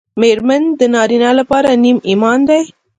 مېرمن د نارینه لپاره نیم ایمان دی